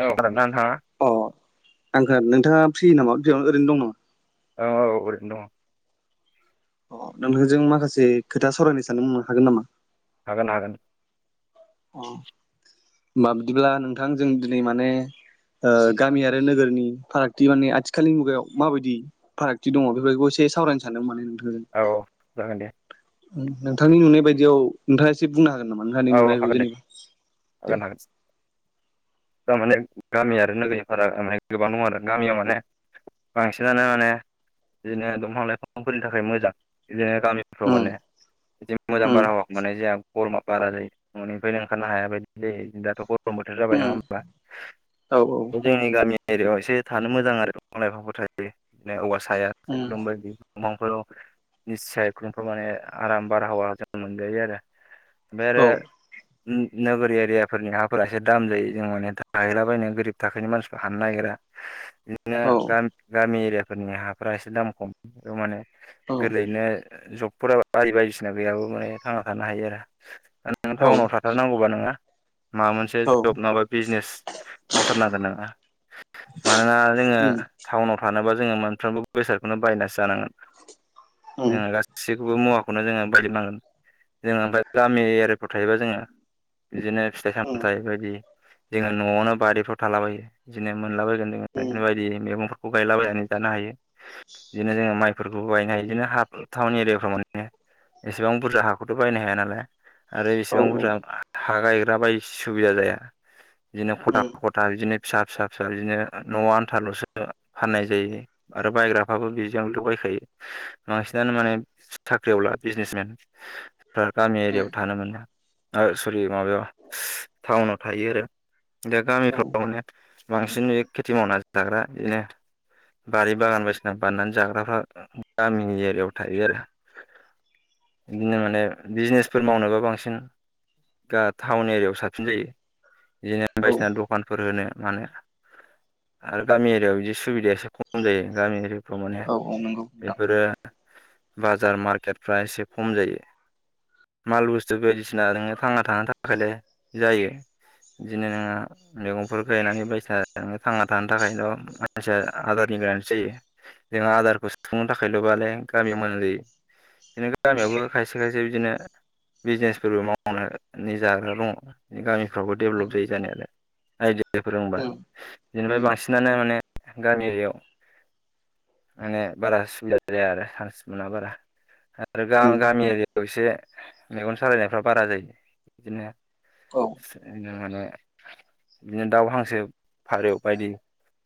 औ खोनादों ना नोंथांआ नोंङा फ्रि नामा बेयाव ओरैनो दं नामा औ औ ओरैनो दङ अ नोंथांजों माखासे खोथा सावरायनो साननो मोननो हागोन नामा हागोन हागोन होनबा बिदिब्ला नोंथां जों दिनै माने ओ गामि आरो नोगोरनि फारागथि माने आथिखालनि मुगायाव माबायदि फारागथि दङ बेफोरदिखौ एसे सावरायनो सानदोंमोन माने नोंथांजों। औ जागोन दे नोंथांनि नुनाय बायदियाव नोंथाङा एसे बुंनो हागोन नामा औ नुनायखौ हागोन दे जेनेबा दे हागोन हागोन थारमाने गामि आरो नोगिफोराे गोबां दङ आरो गामियाव माने बांसिनानो माने बिदिनो दंफां लाइफांफोरनि थाखाय मोजां बिदिनो गामिफ्राव उम माने बिदि मोजां उम बारहावाखौ मोननाय जाया बरमा बारा जायो ननिफ्रायनो ओंखारनो हाया बायदि जायो दाथ खरम बोथोर जाबाय नङा उम होमबा औ बे जोंनि गामि एरिायाव एसे थानो मोजां आरो बिफां लाइफांफोर थायो बिदिनो औवा साया उम सायख्लुमबाय बिफाङाव निस्यय खुमफोराव माने आराम बारहावा जों मोनजायो आरो ओमफाय आरो औ नोगोर एरियाफोरनि हाफोरा एसे दाम जायो जों माने थाहैलाबायनो गोरिब थाखोनि मानसिफोरा हानो नागिरा [inaudible] बिदिनो गामि एरियाफोरनि हाफोरै एसे दाम खम बे माने औ गोरलैयैनो जबफोरा बदि बायदिसिना गैयाबो माने थांना थानो हायो आरो नों औ टाउनाव थाथारनांगौबा नोङो माबा मोनसे औ जब नाबा बिजनेस मावथारनांगोन नोङो मानोना जोङो उम टाउनाव थानोबा ज जोङो मोनफ्रोमबो बेसादखौनो बायनासो जानांगोन उम जोंङो गासि बबो मुवाखौनो जोङो बायजोबनांगोन जोङो ओमफ्राय गामि एरियाफ्राव थायोबा जोङो बिदिनो फिथाइ उम सामथायाइ बायदि जोङो नआवनो बारिफ्राव थालाबायो बिदिनो गोन जो उम बिदिनो बायदि मैगंफोरखौ गायलाबायनानै जानो हायो बिदिनो जोङो माइ फोरफोरखौ बायनो हायो बिदिनो हा टाउन एरियाफ्राव माने एसेबां बुरजा हाखौथ बायनो हाया नालाय आरो औ बेसेबां बुरजा हा गायग्रा बाय सुबिदा जाया बिदिनो खथा उम खथा बिदिनो फिसा फिसा फिसा बिदिनो न आन्थालसो फाननाय जायो आरो बायग्राफ्राबो बेजों ल बायखायो बांसिनानो माने साख्रियाव ला बिजनेम फ्रा एरियायाव उम थानो मोनो सरि माबायाव टाउनाव थायो आरो दा औ गामिफ्राव माने बांसिन बे खेथि मावनानै जाग्रा बिदिनो बारि बागान बायसिना बाननानै जाग्राफ्रा गामिनि एरियायाव थायो आरो बिदिनो माने बिजनेस फोर मावनोबा बांसिन दा टाउन एरियायाव साबसिन जायो बिदिनो औ औ बायदिसिना दखानफोर होनो मानो आरो गामि एरिआव बिदि सुबिदायााससे खम जायो गामि एरिफ्राव माने औ नंगौ नोंथां बेफोरो बाजार मार्केटफ्रा एसे खम जायो माल बुस्थु बायदिसिना नोङो थांना थानो थाखायलाय जायो। बिदिनो नोङो मैगंफोर गायनानै बायसि थांना थानो थाखायल' मानसिया आदारनि जायो। जोंङो आदारखौ सुफुंनो थाखायल' बालाय गामियाव मोजां जायो बिदिनो गामियावबो खायसे खायसे बिदिनो बिजनेसफोरबो मावनानै जाग्रा दङ गामिफ्रावबो डेभेलप उम जायो जानाय। आइदिया फोरबा उम जनिफ्राय बांसिनानो माने गामि एरियाव माने बारा सुबिदा जाया आरो चान्स मोना बारा आरो गामि एरियायाव एसे मेगन सालायनायफ्रा बारा जायो। बिदिनो औ [inaudible] बिदिनो दाउ हांसो फारौ बायदि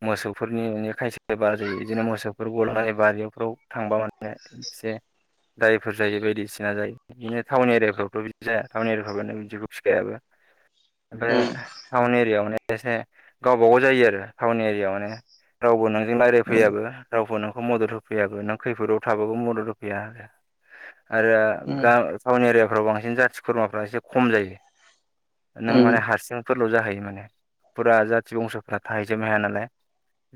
मोसौफोरनि खायसे एबार जायो बिदिनो मोसौफोर गला बारियावफ्राव थांबा मनाया एसे दायफोर जायो बायदिसिना जायो बिदिनो टाउन एरियाफ्रावथ' बिदि जाया टाउन एरियाफ्रावानो बिदिबो फिखायाबो आमफ्राय उम टाउन एरियाायावनो एसे गावबाागाव जायो आरो टाउन एरियायाव माने रावबो नोंजों उम रायज्लायफैयाबो रावबो नोंखौ मदद होफैयाबो नों खैफोदाव थाबाबो मदद होफैया आरो आरो ग टाउन एरियाफ्राव बांसिन जाथि खुरमाफ्रा एसे खम जायो नों औ माने हारसिं फोरल' जाहैयो माने फुरा जाथि बंस'फोरा थाहैजोब हाया नालाय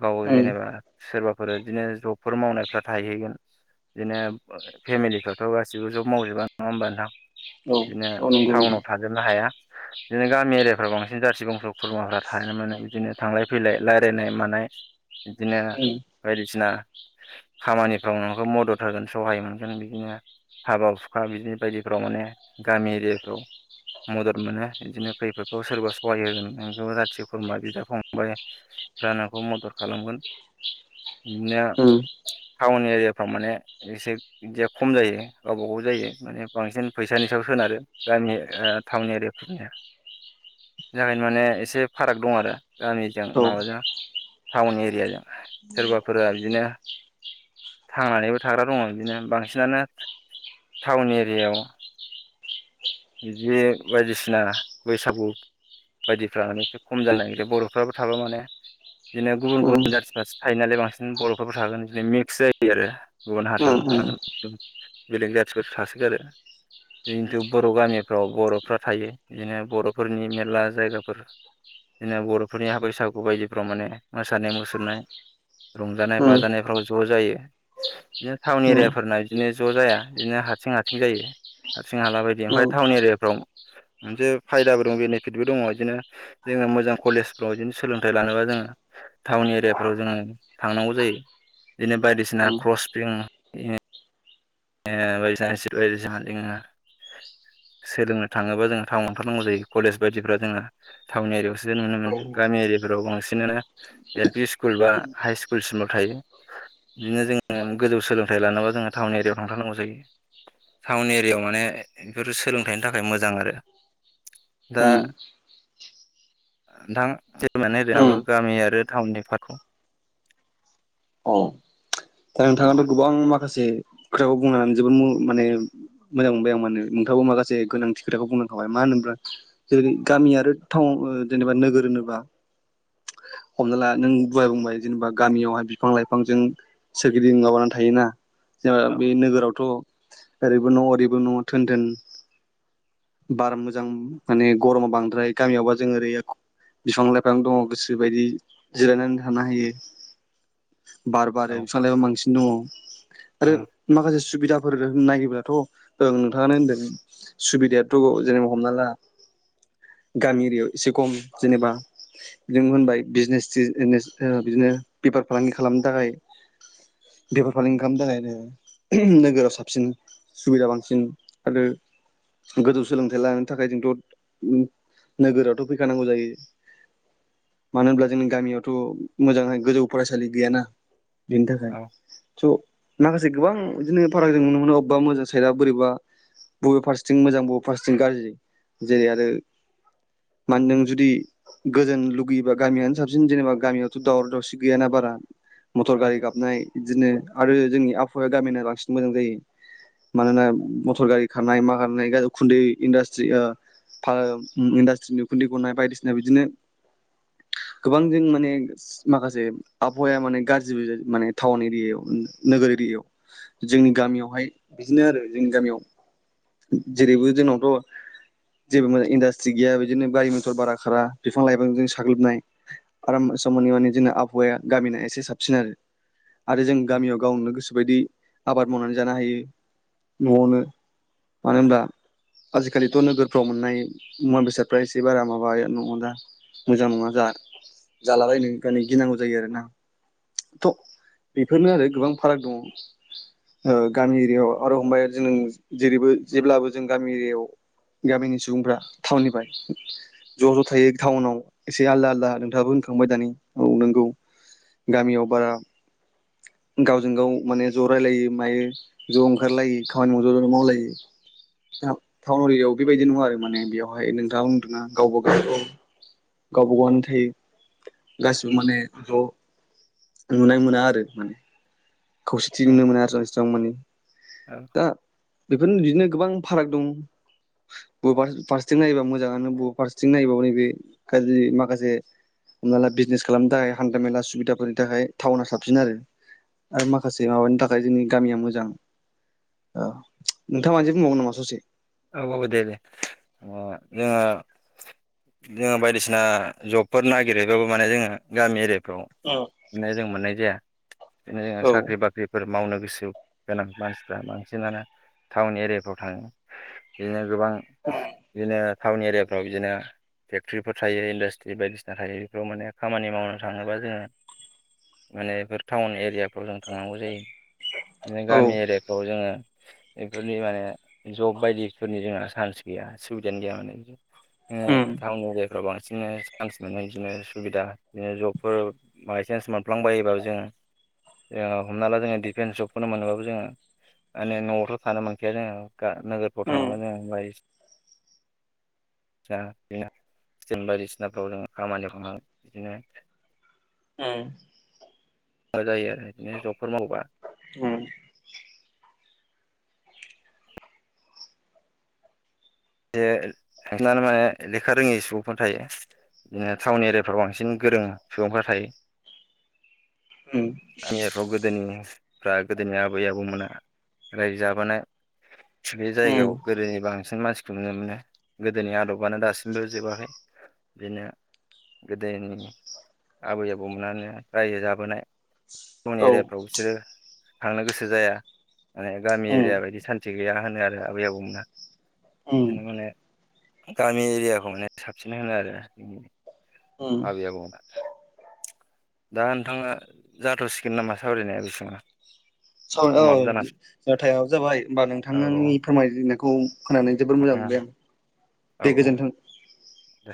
गाव जेनेबा सोरबाफोर बिदिनो जबफोर मावनायफ्रा थाहैगोन बिदिनो फेमिलिफ्राथ' गासिबो ज मावजोबा नङा होमब नोंथां बिदिनो नंगौ नोंथां टाउनाव थाजोबनो हाया। [inaudible] बिदिनो गामि एरियाफ्राव बांसिन जाारथि बंस' खुरमाफ्रा थानो मोनो बिदिनो थांलाय फैलाय रायजलायनाय मानाय बिदिनो बायदिसिना खामानिफ्राव नोंखौ मदद होगोन सहाय मोनगोन बिदिनो हाबा हुखा बिदिनो बायदिफ्राव माने गामि एरियाफ्राव मदद मोनो बिदिनो खैफोदफोरखौ सोरबा सहाय होगोन नोंखौ जाथि खुरमा बिदा फंबाय रानाखौ मदद खालामगोन बिदिनो उम टाउन एरियाफ्राव माने एसे बिदिया खम जायो। गावबा गाव जायो माने बांसिन फैसानि सायाव सोनारो गामि टाउन एरियाफोरनिया जागायनो माने एसे फाराग दं आरो गामिजों माबाजों टाउन एरियाजों सोरबाफोरा बिदिनो थांनानैबो थाग्रा दङ बिदिनो बांसिनानो टाउन एरियायाव बिदि बायदिसिना बैसागु बायदिफ्रा माने एसे खम जानाय बर'फ्राबो थाबा माने बिदिनो गुबुन उम गुबुन जाथिफ्रो थायो नालाय बांसिन बर'फोर थागोन बिदिनो मिक्स जायो आरो गुबुन हारसाबो थोन बेलेंग जाथिफोर थासोगारो खिन्थु बर' गामिफ्राव बर'फ्रा थायो बिदिनो बर'फोरनि मेरला जायगाफोर बिदिनो बर'फोरनि बैसागु बायदिफ्राव माने मोसानाय मुसुरनाय रंजानाय बाजानायफ्राव ज' जायो। बिदिनो टाउन एरियाफोरना बिदिनो ज' जाया इदिनो हाथसिं हाथसिं जायो। हारसिं हाला बायदि औ अ ओमफ्राय टाउन एरियाफ्राव मोनसे फायदाबो दं बेनिफिटबो दङ इदिनो जोङो मोजां कलेजफ्राव इदिनो सोलोंथाइ लानोबा जोङो टाउन एरियाफोराव जोङो थांनांगौ जायो। दिनो बायदिसिना क्रसपिं ए ए [unintelligible] [inaudible] सोलोंनो थाङोबा जोङो टाउनाव थांथारनांगौ जायो कलेज बायदिफ्रा जोंना थाउन एरियायावसो नुनो मोन गामि एरिया फोराव बांसिनानो एल पि स्कुल बा हाइ स्कुलसिमल' थायो बिदिनो जोङो गोजौ सोलोंथाइ लानोबा जोङो टाउन एरियायाव थांथारनांगौ जायो। टाउन एरियायाव माने बेफोर सोलोंथाइनि थाखाय मोजां आरो। उम। ओनथां [unintelligible] गामि आरो टाउननि फारागखौ औ दा नोंथाङाथ' औ गोबां माखासे खोथाखौ बुंनानै जोबो मो माने मोजां मोनबाय आं मानो नोंथांङाबो माखासे गोनांथि खोथाखौ बुंलां खाबाय मानो होनोब्ला ब्रा जेरै गामि आरो टाउ ओ जेनेबा नोगोर होनोबा हमना ला नों दहाय बुंबाय जेनेबा गामियावहाय बिफां लाइफांजों सोरगिदिं माबानानै थायोना जेना औ बे नोगोरावथ' ओरैबो न' ओरैबो न' थोन थोन बार मोजां माने गरमा बांद्राय गामियावबा जों ओरै बिफां लाइफां दङ गोसो बायदि जिरायनानै थानो हायो। बार औ बारो बिफां लाइफां बांसिन दङ आरो माखासे सुबिदाफोर नायोब्लाथ' ओं नोंथाङानो होनदों सुबिदायाथ' जेनेबा हमना ला [inaudible] गामि एरियायाव एसे खम जेनेबा नों होनबाय बिजनेसन तिजनेस ओ बिदिनो बे फार फालांगि खालामनो थाखाय बेफार फालांगि खालामनो थाखायनो [unintelligible] नोगोराव साबसिन सुबिदा बांसिन आरो गोजौ सोलोंथाइ लानो थाखाय जोंथ' नोगोरावथ' फैखानांगौ जायो। मानो होनब्ला जोंनि गामियावथ' मोजांहाय गोजौ फरायसालि गैयाना। बेनि थाखाय औ स' माखासे गोबां बिदिनो फाराग जों नुनो मोनो अबबा मोजां साइदआ बोरैबा बबेबा फारसेथिं मोजां बबेबा फारसेथिं गाज्रि जेरै आरो मान नों जुदि गोजोन लुगैयोबा गामियानो साबसिन जेनेबा गामियावथ' दावराव दावसि गैयाना बा- रा मटर गारि गाबनाय बिदिनो आरो जोंनि आबहावाया गामिना बांसिन मोजां जायो। मानोना मथर गारि खारनाय मा खारनाय गा उखुन्दै इन्दास्ट्रि ओ फा उम इन्डास्ट्रिनि उखुन्दै गनाय बायदिसिना बिदिनो गोबां जों माने माखासे आबहावाया माने गार जिबो माने टाउन एरियायाव नो-नोगोर एरियायाव। जोंनि गामियावहाय बिदिनो आरो जोंनि गामियाव जेरैबो जोंनावथ' जेबो माय इन्डासट्रि गैया बिदिनो गारि मथर बारा खारा बिफां लाइफांजों साग्लोबनाय आराम सब मानि माने जोंना आबहावाया गामिना एसे साब सिन आरो आरो जों गामियाव गावनो गोसोबायदि आबाद मावनानै जानो हायो न'आवनो। मानो होनबा आजिखालिथ' नोगोरफ्राव मोननाय मुवा बेसादफ्रा एसे बारा माबाया नङ दा मोजां नङा जा जालाबायनो खानो गिनांगौ जायो आरो ना। थ' बेफोरनो आरो गोबां फाराग दङ। ओ गामि एरियायाव आरो हमबाय जों जेरैबो जेब्लाबो जों गामि एरियायाव गामिनि सुबुंफ्रा थाावननिफ्राय ज' ज' थायो टाउनाव एसे आलदा आलदा नोंथाङाबो होनखांबाय दानि औ नोंगौ गामियाव बारा गावजों गाव माने ज' रायलायो मायो ज' ओंखारलायो खामानि माव ज' ज' मावलायो टाउन एरियाायाव बेबायदि नङा आरो माने बेवहाय नोंथाङाव बुदोंना गावबा गाव गावबा गावनि थायो गासिबो माने ज' नुनाय मोना आरो माने खौसेथि औ नुनो मोना आरो जों एसेबां मानि दा बेफोरनो बिदिनो गोबां फाराग दं बबेबा फारसेथिं नायोबा मोजाङानो बबेबा फारसेथिं नायोबा नैबे गाज्रि माखासे हमनाला बिजनेस खालामनो थाखाय हान्था मेला सुबिदाफोरनि थाखाय टाउना साबसिन आरो आरो माखासे माबानि थाखाय जोंनि गामिया मोजां नोंथाङ मानोसे बुंबावगोन नामा ससे औ औ दे दे जोङो जोङो बायदिसिना जबफोर नागिरबाबो माने जोङो गामि एरि खौ औ मोननाय जों मोननाय जाया बिदिनो जो औ साख्रि बाख्रिफोर मावनो गोसो गोनां मानसिफ्रा बांसिनानो टाउन एरियाफ्राव थाङो बिदिनो गोबां बिदिनो टाउन एरियाफ्राव बिदिनो फेकर्तिफोर थायो इन्डास्ट्रि बायदिसिना थायो बेफोर माने खामानि मावनो थाङोबा जोङो माने बेफोर टाउन एरिया फाव जों थांनांगौ जायो ओमफ्राय गामि एरियाफ्राव जोङो बेफोरनि माने जब बायदिफोरनि जोंना चान्स गैया सुबिदायानो गैया माने उम टाउन एरिया याव बांसिननो चान्स मोनो बिदिनो सुबिदा बिदिनो जबफोर बायसान्स मोनफ्लांबायोबाबो जोङो जोङो हमना ला जोङो डिफेन्स जबखौनो मोनोबाबो जोङो माने न'आवथ' थानो मोनखाया जोङो नोगोरफ्राव उम थांनांगोन जोंङो बायदिसना [unintelligible] दा बायदिसिनाफ्राव जों खामानियाव थांनांङो बिदिनो उम मा जायो आरो बिदिनो जबफोर मावोबा उम जे माने लेखा रोङै सुबुंफोर थायो बिदिनो टाउन एरियाफ्राव बांसिन गोरों सुबुंफ्रा थायो उम गामियारिफ्राव गोदोनि फ्रा गोदोनि आबै आबौमोना रायजो जाबोनाय बे उम जायगायाव गोदोनि बांसिन मानसि खौ मोनो गोदोनि आदबानो दासिमबो जोबाखै बिदिनो गोदोनि आबै आबौमोननानो रायजो जाबोनाय टाउन औ एरियाफ्राव बिसोरो थांनो गोसो जाया माने गामि उम एरिया बायदि सानथि गैया होनो आरो आबै आबौमोनहा उम बिदिनो माने गामि एरियाखौ माने साबसिन होनो आरो जोंनि उम आबै आबौ दा नोंथाङा जाथ'सिगोन नामा सावरायनाया बेसेबांङावनो औ टाइमआबो जाबाय होमबा औ नोंथांनि फोरमायायनायखौ खोनानै जोबोर मोजां औ मोनबाय आं औ दे औ गोजोन्थों दे